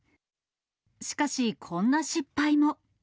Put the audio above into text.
しかしこんな失敗も。